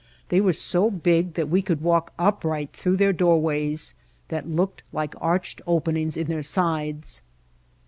They were so big that we could walk upright through their doorways, that looked like arched openings in their sides.